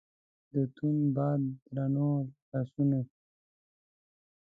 د توند باد درنو لاسونو